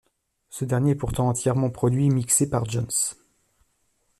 Ce dernier est pourtant entièrement produit et mixé par Jones.